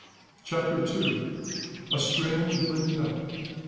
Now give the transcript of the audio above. Chapter 2: A Strange Bringing Up.